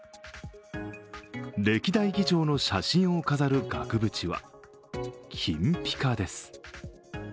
歴代議長の写真を飾る額縁は金ピカです。